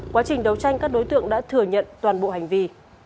quá trình đấu tranh các đối tượng đã thừa nhận toàn bộ hành vi